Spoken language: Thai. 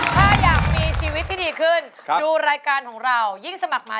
ถ้าอยากมีชีวิตที่ดีขึ้นดูรายการของเรายิ่งสมัครมา